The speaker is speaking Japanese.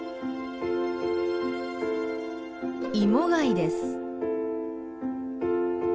イモガイです。